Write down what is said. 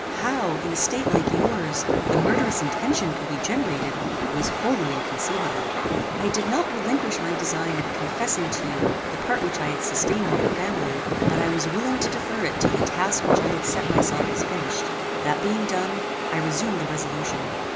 How, in a state like yours, the murderous intention could be generated, was wholly inconceivable. "I did not relinquish my design of confessing to you the part which I had sustained in your family, but I was willing to defer it till the task which I had set myself was finished. That being done, I resumed the resolution.